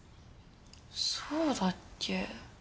そうだっけ。